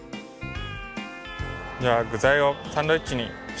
じゃあぐざいをサンドイッチにしていこう！